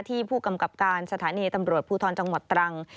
ผู้กำกับการสถานีตำรวจภูทรจังหวัดตรัง